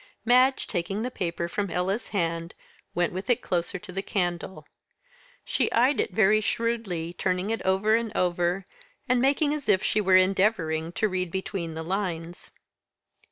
Madge, taking the paper from Ella's hand, went with it closer to the candle. She eyed it very shrewdly, turning it over and over, and making as if she were endeavouring to read between the lines.